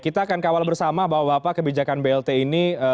kita akan kawal bersama bahwa bapak kebijakan blt ini